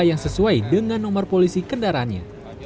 yang sesuai dengan nomor polisi kendaraannya